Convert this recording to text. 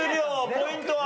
ポイントは？